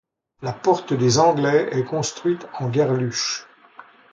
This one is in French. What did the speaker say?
La porte des Anglais est construite en garluche.